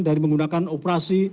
dari menggunakan operasi